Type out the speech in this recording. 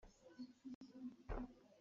Kutka aa on ruangah a va khar.